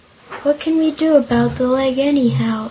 "What can we do about that leg, anyhow?"